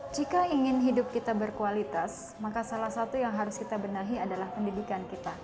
jika ingin hidup kita berkualitas maka salah satu yang harus kita benahi adalah pendidikan kita